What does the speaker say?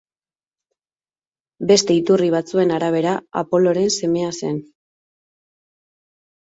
Beste iturri batzuen arabera, Apoloren semea zen.